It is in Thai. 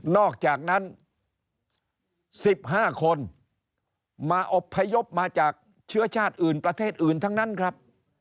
อกจากนั้น๑๕คนมาอบพยพมาจากเชื้อชาติอื่นประเทศอื่นทั้งนั้นครับ